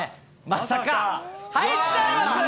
まさか、入っちゃいます。